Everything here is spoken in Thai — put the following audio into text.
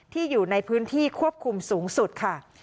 อยู่ในพื้นที่ควบคุมสูงสุดค่ะ